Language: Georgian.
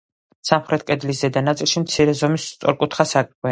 სამხრეთ კედლის ზედა ნაწილში მცირე ზომის სწორკუთხა სარკმელია.